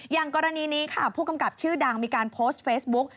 อย่างกรณีนี้ค่ะผู้กำกับชื่อดังมีการโพสต์เฟซบุ๊ก